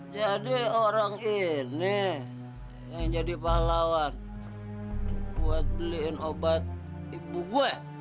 jadi ini orangnya yang jadi pahlawan buat beliin obat ibu gue